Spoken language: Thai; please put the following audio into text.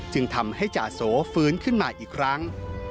จึงทำให้จาโสฟื้นขึ้นมาอีกครั้ง